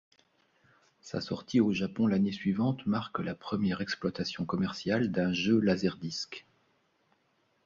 Sa sortie au Japon l'année suivante marque la première exploitation commerciale d'un jeu laserdisc.